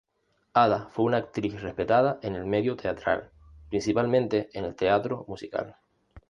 Ada fue una actriz respetada en el medio teatral, principalmente en el teatro musical.